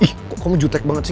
ih kok kamu jutek banget sih